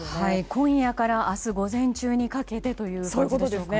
今夜から明日午前中にかけてということですかね。